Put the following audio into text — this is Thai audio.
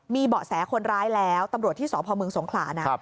มีเบาะแสคนร้ายแล้วตำรวจที่สพเมืองสงขลานะ